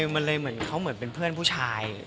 มันเลยเหมือนเขาเหมือนเป็นเพื่อนผู้ชาย